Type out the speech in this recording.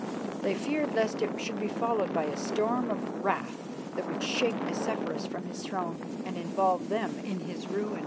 They feared lest it should be followed by a storm of wrath that would shake Nicephorus from his throne and involve them in his ruin.